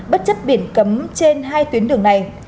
bất chấp biển cấm trên hai tuyến đường này